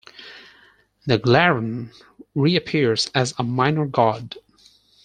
"The Glaroon" reappears as a minor god.